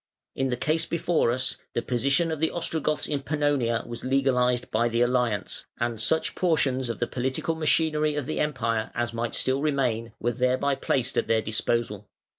In the case before us the position of the Ostrogoths in Pannonia was legalised by the alliance, and such portions of the political machinery of the Empire as might still remain were thereby placed at their disposal.